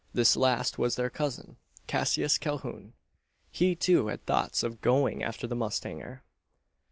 This last was their cousin, Cassius Calhoun. He, too, had thoughts of going after the mustanger.